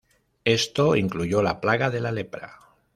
Esto incluyó la plaga de la lepra.